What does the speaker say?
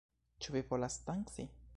Ĉu vi volas danci?